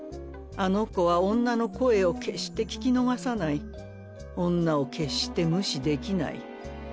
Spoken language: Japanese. あの子は女の声を決して聞き逃さない女を決して無視できない。